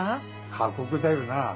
過酷だよな。